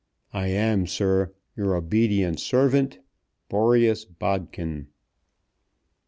I am, sir, Your obedient servant, (Signed) BOREAS BODKIN.